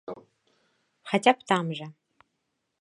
Хаця б там жа.